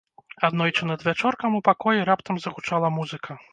Аднойчы надвячоркам ў пакоі раптам загучала музыка.